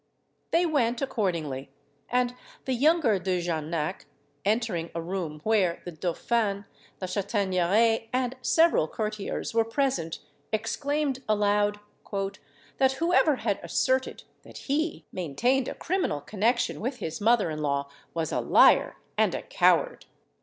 They went accordingly; and the younger De Jarnac, entering a room where the dauphin, La Chataigneraie, and several courtiers were present, exclaimed aloud, "That whoever had asserted that he maintained a criminal connexion with his mother in law was a liar and a coward!"